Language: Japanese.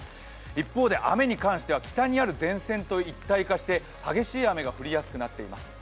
一方で雨に関しては北にある前線と一体化して激しい雨が降りやすくなっています。